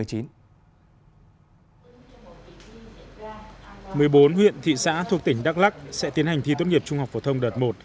một mươi bốn huyện thị xã thuộc tỉnh đắk lắc sẽ tiến hành thi tốt nghiệp trung học phổ thông đợt một